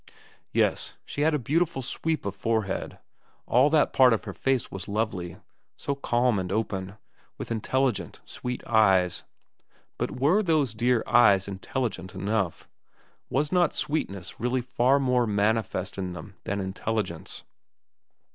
Yes, she had a beautiful sweep of forehead ; all that part of her face was lovely so calm and open, with intelligent, sweet eyes. But were those dear eyes intelligent enough ? Was not sweetness really far more manifest in them than intelligence